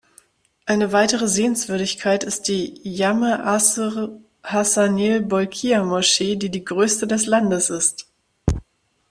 Eine weitere Sehenswürdigkeit ist die Jame'-'Asr-Hassanil-Bolkiah-Moschee, die die größte des Landes ist.